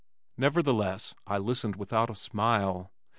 Nevertheless I listened without a smile.